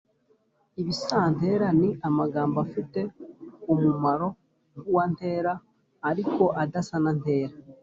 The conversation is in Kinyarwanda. ibisantera ni amagambo afite umumaro nk’uwa ntera ariko adasa na ntera